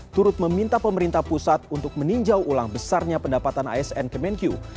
turut meminta pemerintah pusat untuk meninjau ulang besarnya pendapatan asn kemenkyu